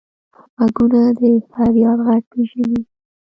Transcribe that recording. غوږونه د فریاد غږ پېژني